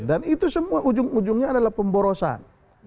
dan itu semua ujung ujungnya adalah pemborosan